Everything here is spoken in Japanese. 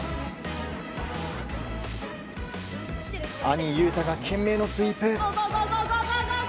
兄・雄太が懸命のスイープ。